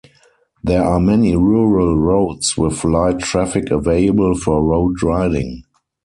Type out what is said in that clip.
There are many rural roads with light traffic available for road riding.